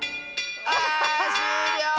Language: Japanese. あしゅうりょう！